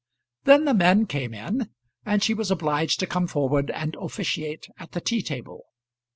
Then the men came in, and she was obliged to come forward and officiate at the tea table.